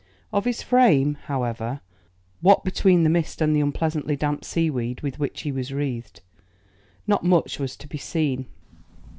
Of his frame, however, what between the mist and the unpleasantly damp seaweed with which he was wreathed, not much was to be seen.